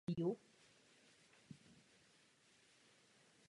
Dříve byla oficiální mládežnickou organizací ve Východním Německu.